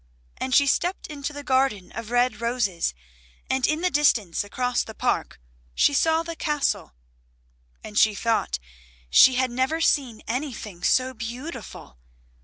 And she stepped into the garden of red roses, and in the distance across the Park she saw the Castle, and she thought she had never seen anything so beautiful.